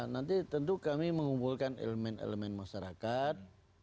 nanti tentu kami mengumpulkan elemen elemen masyarakat